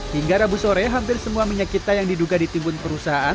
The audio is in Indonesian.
hingga rabu sore hampir semua minyak kita yang diduga ditimbun perusahaan